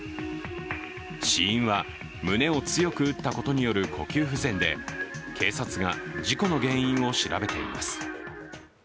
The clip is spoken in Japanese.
死因は、胸を強く打ったことによる呼吸不全で警察が事故の原因を調べています。